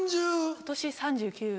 今年３９歳。